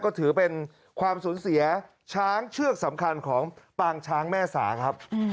ก็ถือเป็นความสูญเสียช้างเชือกสำคัญของปางช้างแม่สาครับ